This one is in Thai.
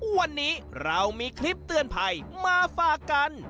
วันนี้เรามีคลิปเตือนภัยมาฝากกัน